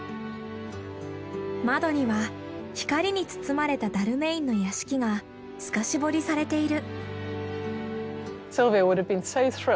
窓には光に包まれたダルメインの屋敷が透かし彫りされている。